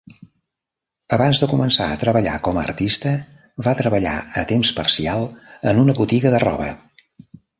Abans de començar a treballar com a artista, va treballar a temps parcial en una botiga de roba.